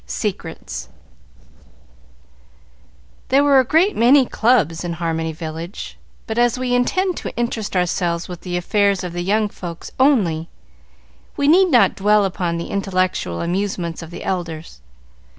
Secrets There were a great many clubs in Harmony Village, but as we intend to interest ourselves with the affairs of the young folks only, we need not dwell upon the intellectual amusements of the elders.